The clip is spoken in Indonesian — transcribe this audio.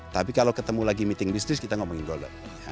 tapi kalau ketemu lagi meeting bisnis kita ngomongin golf